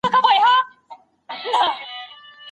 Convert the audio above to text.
سرلوړي یوازي په بېدارۍ کي رامنځته کېږي.